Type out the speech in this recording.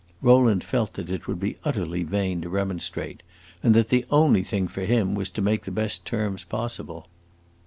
Rowland felt that it would be utterly vain to remonstrate, and that the only thing for him was to make the best terms possible.